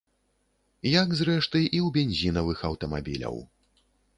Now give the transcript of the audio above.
Як, зрэшты, і ў бензінавых аўтамабіляў.